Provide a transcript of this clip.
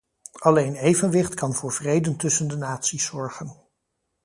Alleen evenwicht kan voor vrede tussen de naties zorgen.